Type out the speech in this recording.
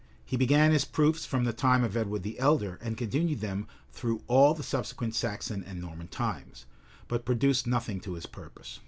He began his proofs from the time of Edward the Elder, and continued them through all the subsequent Saxon and Norman times; but produced nothing to his purpose.